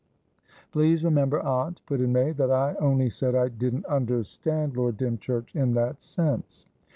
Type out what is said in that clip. "Please remember, aunt," put in May, "that I only said I didn't understand Lord Dymchurch in that sense."